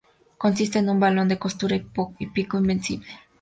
Consiste en un balón de costura y pico invisible.